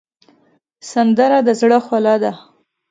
سندره د زړه خواله ده